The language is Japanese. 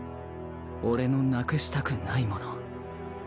俺のなくしたくないもの。